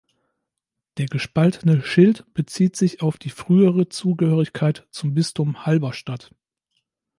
Der gespaltene Schild bezieht sich auf die frühere Zugehörigkeit zum Bistum Halberstadt.